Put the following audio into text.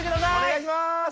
お願いします！